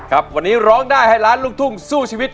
ครับวันนี้ร้องได้ให้ล้านลูกทุ่งสู้ชีวิต